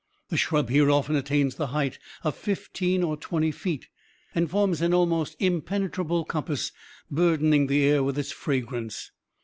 The shrub here often attains the height of fifteen or twenty feet, and forms an almost impenetrable coppice, burdening the air with its fragrance.